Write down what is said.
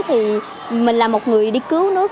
thì mình là một người đi cứu nước